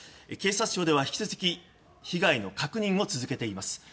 警察庁では引き続き被害の確認を続けています。